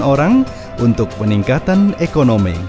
dan orang untuk peningkatan ekonomi